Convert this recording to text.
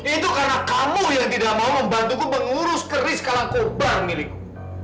itu karena kamu yang tidak mau membantuku mengurus keris kalang kol bar milikku